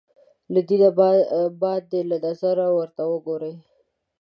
له دینه باندې له نظره ورته وګورو